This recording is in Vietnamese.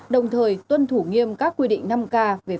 đồng thời tuân thủ nghiêm các quy định năm k